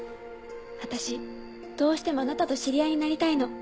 あたしどうしてもあなたと知り合いになりたいの。